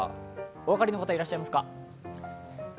お分かりの方、いらっしゃいますか？